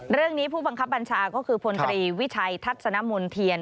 เรื่องนี้ผู้บังคับบัญชาก็คือพลตรีวิชัยทัศนมณ์เทียน